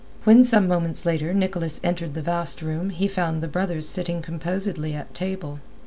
When some moments later Nicholas entered the vast room he found the brothers sitting composedly at table.